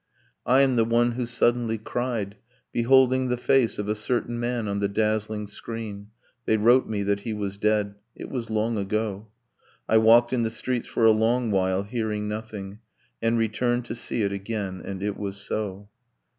'I am the one who suddenly cried, beholding The face of a certain man on the dazzling screen. They wrote me that he was dead. It was long ago. I walked in the streets for a long while, hearing nothing, And returned to see it again. And it was so.'